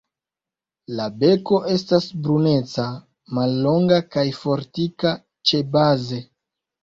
La beko estas bruneca, mallonga kaj fortika ĉebaze.